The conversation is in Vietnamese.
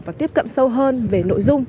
và tiếp cận sâu hơn về nội dung